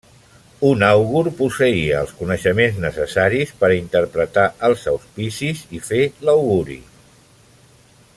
Un àugur posseïa els coneixements necessaris per a interpretar els auspicis i fer l'auguri.